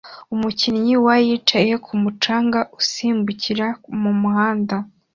Umukinnyi wa yicaye kumu canga usimbukira mumuhanda